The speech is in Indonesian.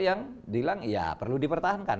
yang bilang ya perlu dipertahankan